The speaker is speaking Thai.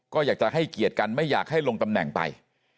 ก็อยากจะให้เกียรติกันไม่อยากให้ลงตำแหน่งไป